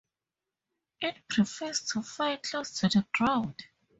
It prefers to fly close to the ground.